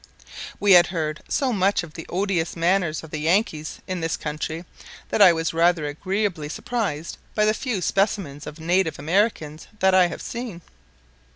We had heard so much of the odious manners of the Yankees in this country that I was rather agreeably surprised by the few specimens of native Americans that I have seen.